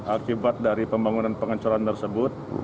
akibat dari pembangunan pengancuran tersebut